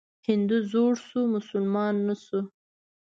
هندو زوړ شو مسلمان نه شو.